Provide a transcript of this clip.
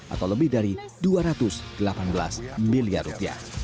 atau lebih dari dua ratus delapan belas miliar rupiah